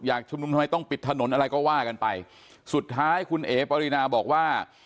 ชุมนุมทำไมต้องปิดถนนอะไรก็ว่ากันไปสุดท้ายคุณเอ๋ปรินาบอกว่า